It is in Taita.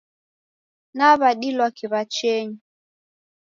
Naw'adilwa kiw'achenyi.